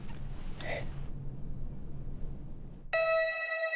えっ？